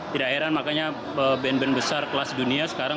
tidak heran makanya band band besar kelas dunia sekarang